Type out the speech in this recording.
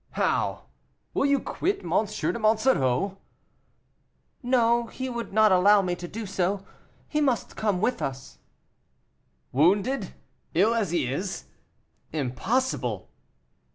"How! will you quit M. de Monsoreau?" "No, he would not allow me to do so; he must come with us." "Wounded, ill as he is? Impossible!"